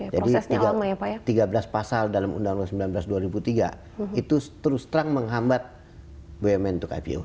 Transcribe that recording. jadi tiga belas pasal dalam undang undang nomor sembilan belas tahun dua ribu tiga itu terus terang menghambat bmn untuk ipo